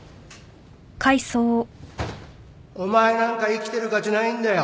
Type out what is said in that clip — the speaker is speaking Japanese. お前なんか生きてる価値ないんだよ